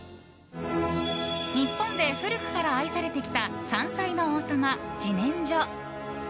日本で古くから愛されてきた山菜の王様・自然薯。